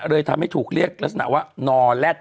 เลยทำให้ถูกเรียกลักษณะว่านอแลต